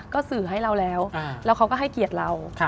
ก็สื่อให้เราแล้วแล้วเขาก็ให้เกียรติเรา